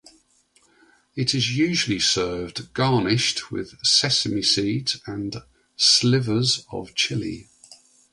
It is usually served garnished with sesame seeds and slivers of chili.